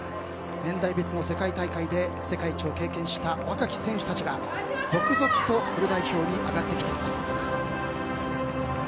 年代別の世界大会で世界一を経験した若き選手たちが続々とフル代表に上がってきています。